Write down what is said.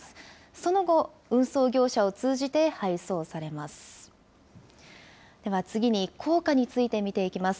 その後、運送業者を通じて配送されます。